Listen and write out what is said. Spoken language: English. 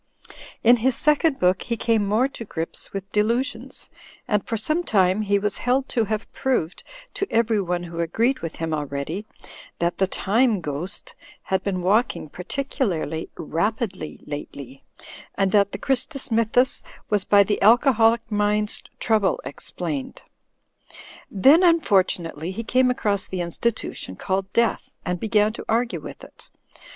'' In his second book he came more to grips with delusions, and for some time he was held to have proved (to everyone who agreed with him already) that the Time Ghost had been walking particularly "rapidly, lately; and that the Christus Msrthus was by the aJcoholic mind's trouble explained." Then, unfortunately, he came across the institution called Death, and began to argue with it.